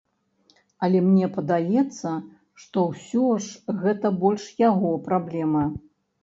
Але мне падаецца, што ўсё ж гэта больш яго праблема.